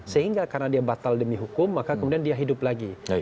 sehingga karena dia batal demi hukum maka kemudian dia hidup lagi